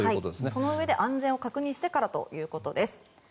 そのうえで安全を確認してからということです。